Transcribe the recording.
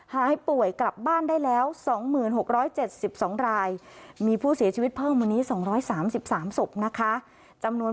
หาให้ป่วยกลับบ้านได้แล้ว๒๐๖๗๒ราย